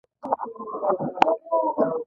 د تاریخ او راتلونکي نښلونکی.